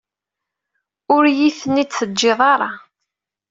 Ur iyi-ten-id-teǧǧiḍ ara.